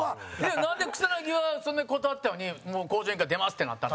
なんで、草薙はそんなに断ってたのに『向上委員会』出ますってなったの？